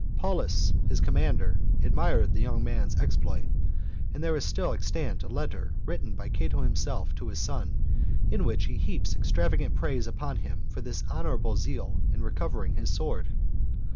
Paulus, his commander, admired the young man's exploit, and there is still extant a letter written by Cato himself to his son, in which he heaps extravagant praise upon him for this honourable zeal in recovering his sword.